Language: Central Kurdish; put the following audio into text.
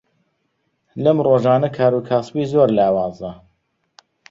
لەم ڕۆژانە کاروکاسبی زۆر لاوازە.